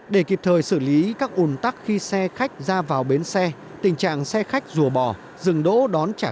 để kịp thời xử lý các ồn tắc khi xe khách ra vào bến xe tình trạng xe khách rùa bò rừng đỗ đón chảy